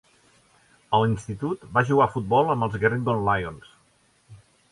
A l'institut va jugar futbol amb els Gerringong Lions.